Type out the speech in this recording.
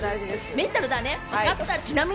メンタルがね。